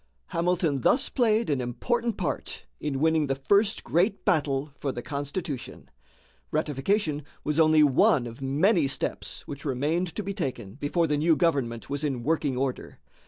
Hamilton thus played an important part in winning the first great battle for the Constitution. Ratification was only one of many steps which remained to be taken before the new government was in working order.